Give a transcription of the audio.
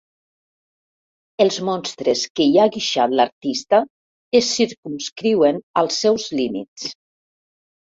Els monstres que hi ha guixat l'artista es circumscriuen als seus límits.